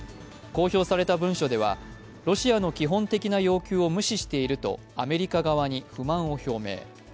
公表された文書では、ロシアの基本的な要求を無視しているとアメリカ側に不満を表明。